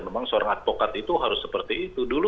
memang seorang advokat itu harus seperti itu dulu